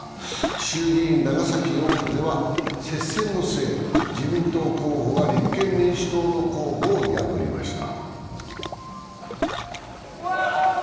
衆議院長崎４区では接戦の末、自民党候補が立憲民主党の候補を破りました。